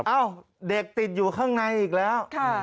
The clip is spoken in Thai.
เอ้าเด็กติดอยู่ข้างในอีกแล้ว